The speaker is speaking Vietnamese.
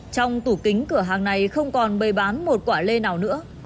trong tủ kính cửa hàng này không còn bày bán một quả lê nào nữa